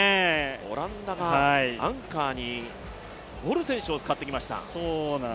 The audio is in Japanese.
オランダがアンカーにウォル選手を使ってきました。